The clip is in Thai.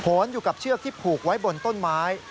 นอยู่กับเชือกที่ผูกไว้บนต้นไม้